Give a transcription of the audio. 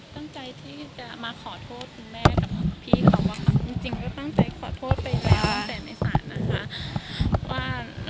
ตั้งใจยังไงบ้างของทุกคน